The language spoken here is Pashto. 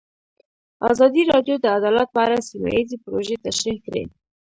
ازادي راډیو د عدالت په اړه سیمه ییزې پروژې تشریح کړې.